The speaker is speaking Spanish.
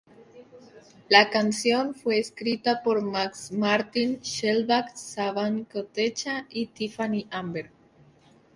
La canción fue escrita por Max Martin, Shellback, Savan Kotecha y Tiffany Amber.